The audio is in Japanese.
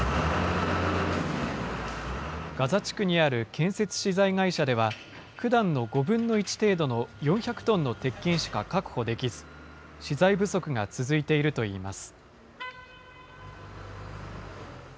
ガザ地区にある建設資材会社ではふだんの５分の１程度の４００トンの鉄筋しか確保できず、資材不足が続いているといいます。